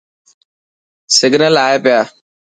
سگنل آئي پيا.